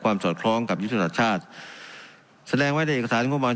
ความสอดคล้องกับยุทธศชาติแสดงไว้ในเอกสารงบมาน